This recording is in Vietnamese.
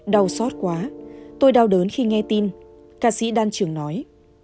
đau xót quá tôi đau đớn khi nghe tin ca sĩ đan trường nói